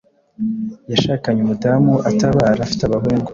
Yashakanye umudamu utabara Afite abahungu